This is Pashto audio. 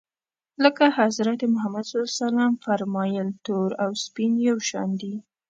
لکه حضرت محمد ص و فرمایل تور او سپین یو شان دي.